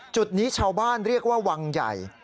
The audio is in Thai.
จุดนี้ชาวบ้านเรียกว่าวังใหญ่